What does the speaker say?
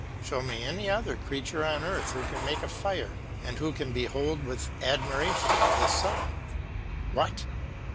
Show me any other creature on earth who can make a fire and who can behold with admiration the sun. What!